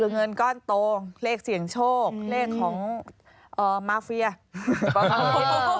เงินก้อนโตเลขเสียงโชคเลขของมาฟิมา